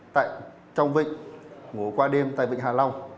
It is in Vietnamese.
trong vịnh ngủ qua đêm tại vịnh hạ long